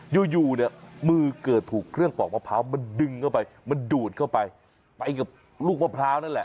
อยู่เนี่ยมือเกิดถูกเครื่องปอกมะพร้าวมันดึงเข้าไปมันดูดเข้าไปไปกับลูกมะพร้าวนั่นแหละ